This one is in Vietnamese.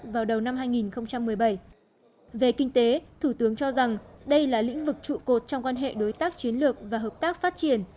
về kinh tế thủ tướng cho rằng đây là lĩnh vực trụ cột trong quan hệ đối tác chiến lược và hợp tác phát triển